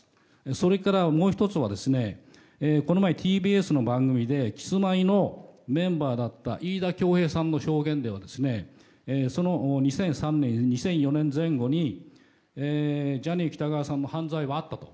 それから、もう１つはこの前、ＴＢＳの番組でキスマイのメンバーだった飯田恭平さんの証言ではその２００３年、２００４年前後にジャニー喜多川さんの犯罪があったと。